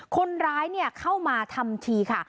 คนร้ายเข้ามาทำทีค่ะ